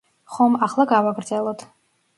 ხომ, ახლა გავაგრძელოთ.